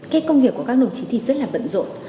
cái công việc của các đồng chí thì rất là bận rộn